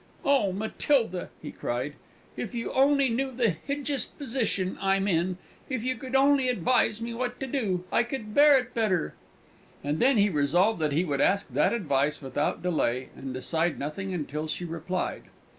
"Oh, Matilda!" he cried, "if you only knew the hidgeous position I'm in if you could only advise me what to do I could bear it better!" And then he resolved that he would ask that advice without delay, and decide nothing until she replied.